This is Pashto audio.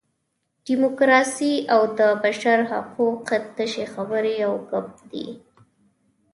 ډیموکراسي او د بشر حقوق تشې خبرې او ګپ دي.